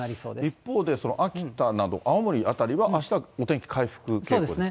一方で、秋田など、青森辺りはあしたはお天気回復傾向ですか。